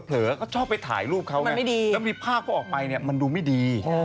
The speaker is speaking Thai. พันเผลอก็ชอบไปถ่ายรูปเขาเนี่ยแล้วบางทีภาพก็ออกไปเนี่ยมันดูไม่ดี